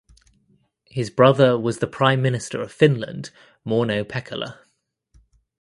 His brother was the Prime Minister of Finland Mauno Pekkala.